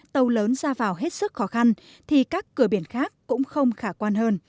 tàu lớn ra vào hết sức khó khăn thì các cửa biển khác cũng không khả quan hơn